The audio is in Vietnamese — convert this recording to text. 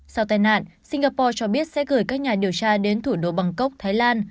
sau tai nạn singapore cho biết sẽ gửi các nhà điều tra đến thủ đô bangkok thái lan